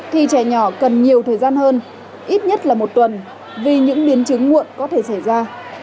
thì trẻ nhỏ cần nhiều thời gian hơn ít nhất là một tuần vì những biến chứng muộn có thể xảy ra